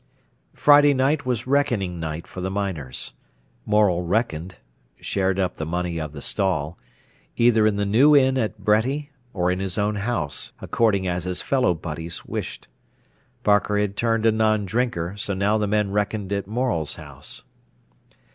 Friday night was reckoning night for the miners. Morel "reckoned"—shared up the money of the stall—either in the New Inn at Bretty or in his own house, according as his fellow butties wished. Barker had turned a non drinker, so now the men reckoned at Morel's house.